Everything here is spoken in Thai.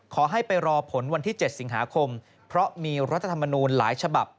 ขอให้ไปรอผลวันที่๗สิงหาคมเพราะมีรัฐธรรมนูลหลายฉบับ